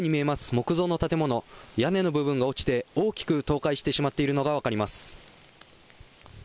木造の建物、屋根の部分が落ちて大きく倒壊してしまっているのが分かります。